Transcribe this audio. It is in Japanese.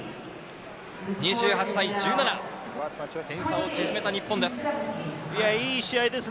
２８対１７、点差を縮めた日本です。